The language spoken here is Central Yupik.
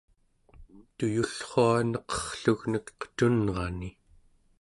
tuyullrua neqerrlugnek qetunrani